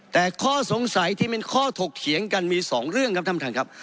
แต่ข้อสงสัยที่เป็นข้อถกเถียงกันมีสองเรื่องครับท่านประธานครับ